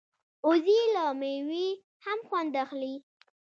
وزې له مېوې هم خوند اخلي